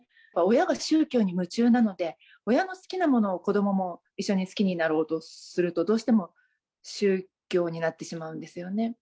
親が宗教に夢中なので、親の好きなものを、子どもも一緒に好きになろうとすると、どうしても宗教になってしまうんですよね。